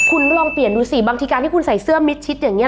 คุณลองเปลี่ยนดูสิบางทีการที่คุณใส่เสื้อมิดชิดอย่างนี้